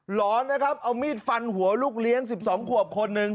หอนนะครับเอามีดฟันหัวลูกเลี้ยง๑๒ขวบคนหนึ่ง